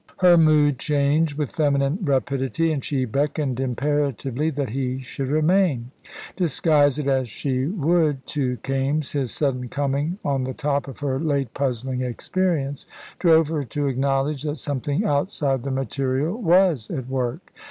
Her mood changed with feminine rapidity, and she beckoned imperatively that he should remain. Disguise it as she would to Kaimes, his sudden coming on the top of her late puzzling experience drove her to acknowledge that something outside the material was at work.